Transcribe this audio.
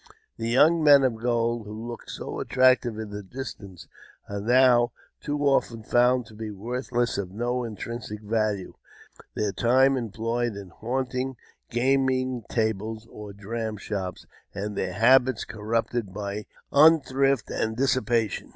The young men of gold, who looked so at tractive in the distance, are now too often found to be worth less and of no intrinsic value ; their time employed in haunting gaming tables or dram shops, and their habits corrupted by unthrift and dissipation.